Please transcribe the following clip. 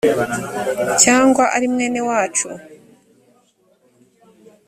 cyangwa ari mwene wacu